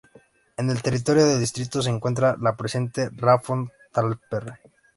En el territorio del distrito se encuentra la presa Rappbode-Talsperre.